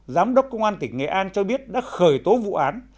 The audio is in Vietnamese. giám đốc công an tỉnh nghệ an cho biết đã khởi tố vụ án